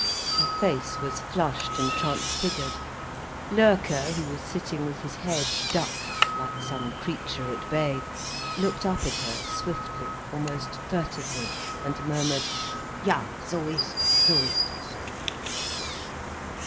Her face was flushed and transfigured. Loerke who was sitting with his head ducked, like some creature at bay, looked up at her, swiftly, almost furtively, and murmured, "_Ja—so ist es, so ist es.